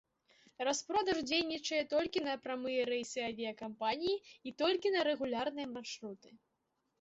Распродаж дзейнічае толькі на прамыя рэйсы авіякампаніі і толькі на рэгулярныя маршруты.